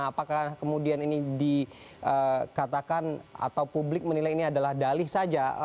apakah kemudian ini dikatakan atau publik menilai ini adalah dalih saja